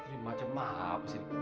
istri macam mah apa sih ini